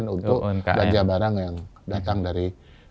untuk belanja barang yang datang dari